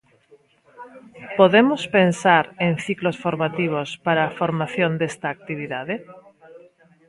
Podemos pensar en ciclos formativos para a formación desta actividade?